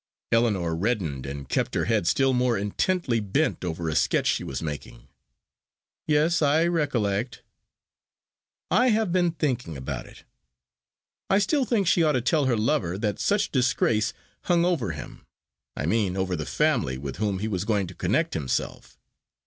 Ellinor reddened and kept her head still more intently bent over a sketch she was making. "Yes; I recollect." "I have been thinking about it. I still think she ought to tell her lover that such disgrace hung over him I mean, over the family with whom he was going to connect himself.